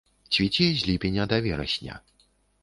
Цвіце з ліпеня да верасня.